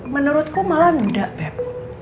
menurutku malah tidak beb